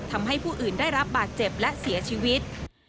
ทำให้ผู้อื่นได้รับบาดเจ็บและเสียชีวิต